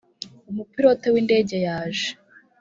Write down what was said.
umupilote w’indege yaje